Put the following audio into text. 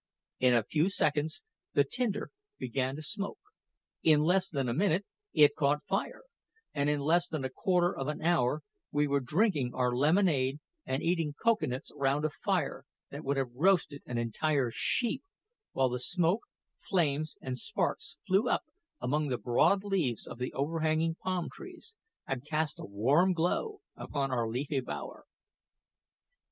In a few seconds the tinder began to smoke; in less than a minute it caught fire; and in less than a quarter of an hour we were drinking our lemonade and eating cocoa nuts round a fire that would have roasted an entire sheep, while the smoke, flames, and sparks flew up among the broad leaves of the overhanging palm trees, and cast a warm glow upon our leafy bower.